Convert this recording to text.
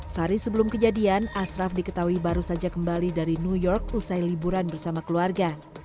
sehari sebelum kejadian ashraf diketahui baru saja kembali dari new york usai liburan bersama keluarga